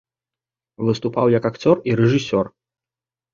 Выступаў як акцёр і рэжысёр.